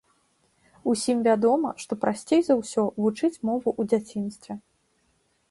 Усім вядома, што прасцей за ўсё вучыць мову ў дзяцінстве.